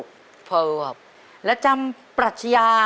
ขอเชิญแสงเดือนมาต่อชีวิต